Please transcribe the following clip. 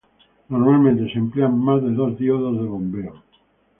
Normalmente se emplean más de dos diodos de bombeo.